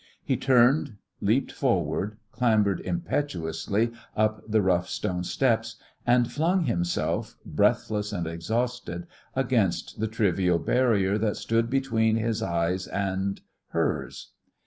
He turned, leaped forward, clambered impetuously up the rough stone steps, and flung himself, breathless and exhausted, against the trivial barrier that stood between his eyes and hers.